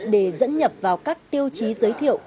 để dẫn nhập vào các tiêu chí giới thiệu